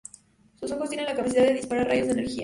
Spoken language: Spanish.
Sus ojos tienen la capacidad de disparar rayos de energía.